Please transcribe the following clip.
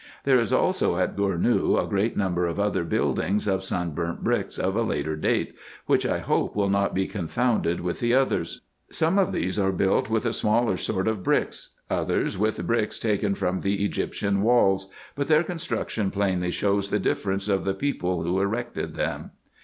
There is also at Gournou a great number of other buildings of sun burnt bricks, of a later date, which I hope will not be confounded with the others. Some of these are built with a smaller sort of bricks ; others with bricks taken from the Egyptian walls ; but their construction plainly shows the difference of the people who erected them.